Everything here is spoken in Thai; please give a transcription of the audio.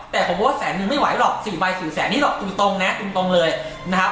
แต่ผมว่าแสนหนึ่งไม่ไหวหรอก๔ใบถือแสนนี่หรอกตรูตรงนะตรูตรงเลยนะครับ